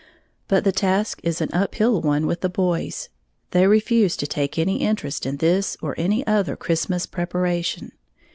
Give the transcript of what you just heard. But the task is an uphill one with the boys, they refuse to take any interest in this or any other Christmas preparation.